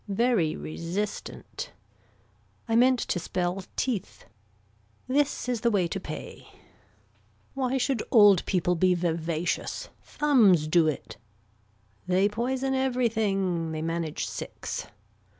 Very resistant. I meant to spell teeth. This is the way to pay. Why should old people be vivacious. Thumbs do it. They poison everything. They manage six.